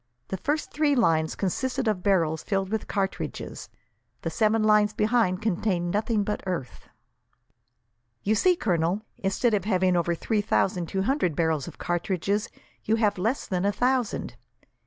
The first three lines consisted of barrels filled with cartridges; the seven lines behind contained nothing but earth. "You see, Colonel, instead of having over three thousand two hundred barrels of cartridges, you have less than a thousand.